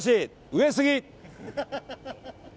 上過ぎ！